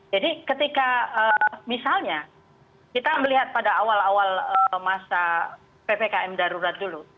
jadi ketika misalnya kita melihat pada awal awal masa ppkm darurat dulu